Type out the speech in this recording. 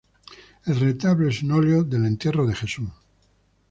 El retablo es un óleo del entierro de Jesús.